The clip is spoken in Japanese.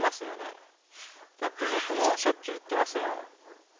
だって僕もしょっちゅう言ってますもん。